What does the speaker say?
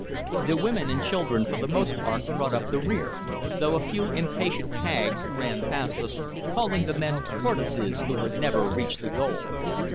The women and children for the most part brought up the rear, though a few impatient hags ran past us, calling the men tortoises who would never reach the goal.